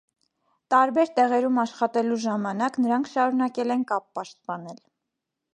Տարբեր տեղերում աշխատելու ժամանակ, նրանք շարունակել են կապ պաշտպանել։